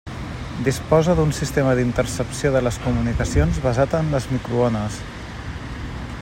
Disposa d'un sistema d'intercepció de les comunicacions basat en les microones.